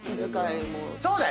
そうだよ。